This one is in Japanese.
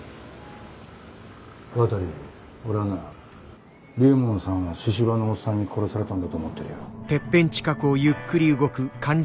俺はな龍門さんは神々のおっさんに殺されたんだと思ってるよ。